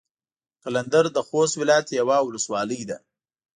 قلندر د خوست ولايت يوه ولسوالي ده.